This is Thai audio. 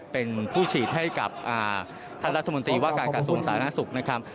เป็นผู้ฉีดให้กับท่านรัฐมนตรีว่าการกระทรวงสาธารณสุขนะครับ